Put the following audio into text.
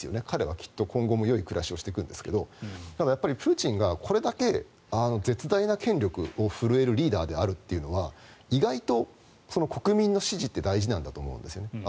彼はきっと今後も良い暮らしをしていくんですがプーチンがこれだけ絶大な権力を奮えるリーダーであるというのは意外と国民の支持って大事なんだと思うんですよね。